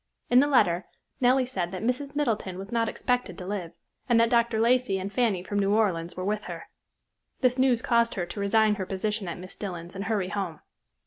In the letter, Nellie said that Mrs. Middleton was not expected to live and that Dr. Lacey and Fanny from New Orleans were with her. This news caused her to resign her position at Miss Dillon's and hurry home.